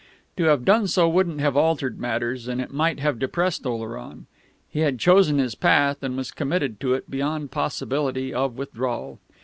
To have done so wouldn't have altered matters, and it might have depressed Oleron. He had chosen his path, and was committed to it beyond possibility of withdrawal.